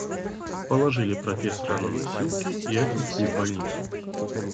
Положили профессора на носилки и отнесли в больницу.